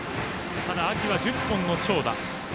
ただ、秋は１０本の長打。